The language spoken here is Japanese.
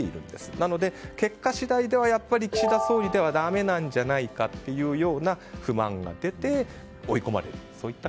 なので、結果次第ではやっぱり岸田総理ではだめなんじゃないかという不満が出て、追い込まれる。